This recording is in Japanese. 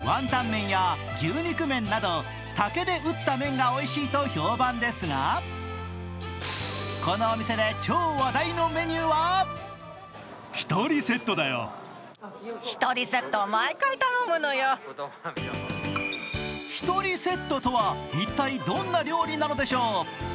ワンタン麺や牛肉麺など竹で打った麺がおいしいと評判ですがこのお店で超話題のメニューは１人セットとは一体どんな料理なんでしょう。